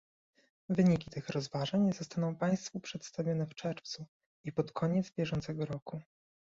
Wyniki tych rozważań zostaną państwu przedstawione w czerwcu i pod koniec bieżącego roku